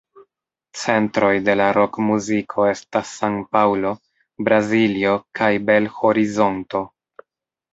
Centroj de la rokmuziko estas San-Paŭlo, Braziljo kaj Bel-Horizonto.